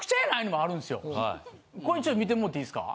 これ一応見てもうていいですか？